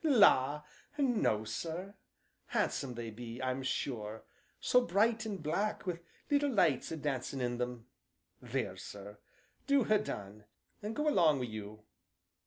"La! no, sir handsome they be, I'm sure, so bright an' black an' wi' little lights a dancing in them there, sir, do ha' done, and go along wi' you!"